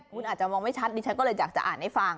คุณอาจจะมองไม่ชัดดิฉันก็เลยอยากจะอ่านให้ฟัง